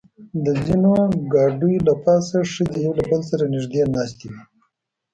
د ځینو ګاډیو له پاسه ښځې یو له بل سره نږدې ناستې وې.